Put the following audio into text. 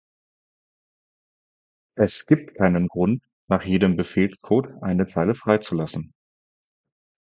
Es gibt keinen Grund, nach jedem Befehlscode eine Zeile frei zu lassen.